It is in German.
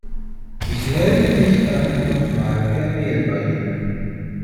Ich melde mich dann noch mal per Mail bei Ihnen.